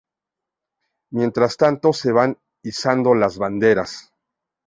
Mientras tanto se van izando las banderas.